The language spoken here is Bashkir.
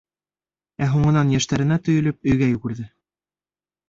Ә һуңынан йәштәренә төйөлөп, өйгә йүгерҙе.